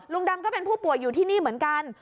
ดำก็เป็นผู้ป่วยอยู่ที่นี่เหมือนกัน